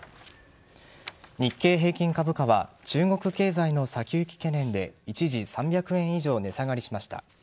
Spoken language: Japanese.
日経平均株価は中国経済の先行き懸念で一時３００円以上値下がりしました。